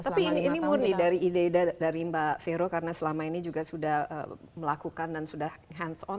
tapi ini murni dari ide ide dari mbak vero karena selama ini juga sudah melakukan dan sudah hands on